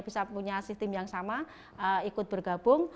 bisa punya sistem yang sama ikut bergabung